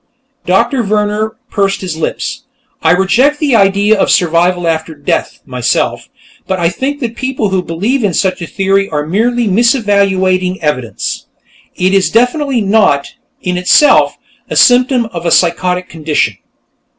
Doctor Vehrner pursed his lips. "I reject the idea of survival after death, myself, but I think that people who believe in such a theory are merely misevaluating evidence. It is definitely not, in itself, a symptom of a psychotic condition."